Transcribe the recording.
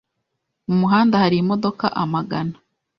Mu muhanda hari imodoka amagana.